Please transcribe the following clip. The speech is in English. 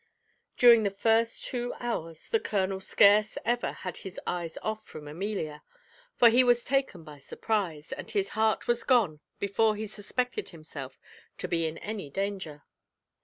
During the first two hours the colonel scarce ever had his eyes off from Amelia; for he was taken by surprize, and his heart was gone before he suspected himself to be in any danger.